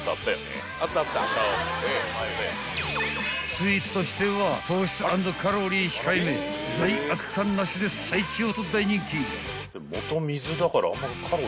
［スイーツとしては糖質＆カロリー控えめ罪悪感なしで最強と大人気］